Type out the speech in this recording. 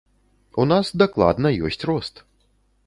У нас дакладна ёсць рост.